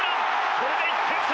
これで１点差。